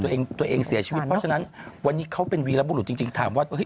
จนตัวเองเสียชีวิตเพราะฉะนั้นวันนี้เค้าเป็นวีฤบุรุจริงถามว่าโอ้โฮ